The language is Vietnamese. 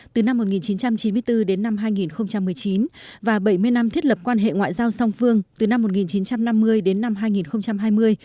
từ năm một nghìn chín trăm chín mươi bốn đến năm hai nghìn một mươi chín và bảy mươi năm thiết lập quan hệ ngoại giao song phương từ năm một nghìn chín trăm năm mươi đến năm hai nghìn hai mươi